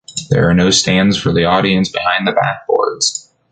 There are no stands for the audience behind the backboards.